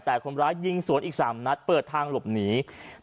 แต่คนร้ายยิงสวนอีก๓นัดเปิดทางหลบหนี